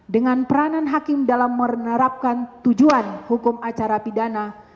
dengan peranan hakim dalam menerapkan tujuan hukum acara pidana